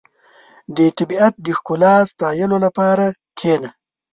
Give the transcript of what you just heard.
• د طبیعت د ښکلا ستایلو لپاره کښېنه.